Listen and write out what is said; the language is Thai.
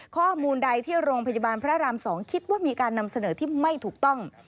ข้อมูลใดที่โรงพยาบาลพระราม๒คิดว่ามีการนำเสนอที่ไม่ถูกต้อง